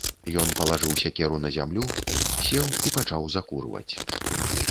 Ён палажыў сякеру на зямлю, сеў і пачаў закурваць.